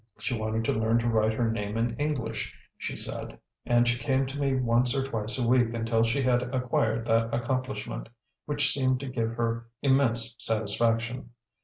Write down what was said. She wanted to learn to write her name in English, she said, and she came to me once or twice a week until she had acquired that accomplishment, which seemed to give her immense satisfaction.